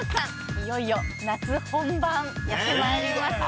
いよいよ夏本番やってまいりますね。